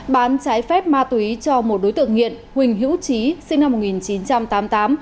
bán trái phép ma túy cho một đối tượng nghiện huỳnh hữu trí sinh năm một nghìn chín trăm tám mươi tám